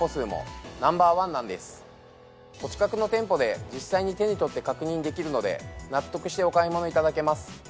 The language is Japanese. お近くの店舗で実際に手に取って確認できるので納得してお買い物いただけます。